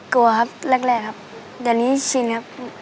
กลัวครับแรกครับเดี๋ยวนี้ชินครับ